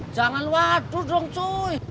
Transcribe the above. jangan waduh dong cuy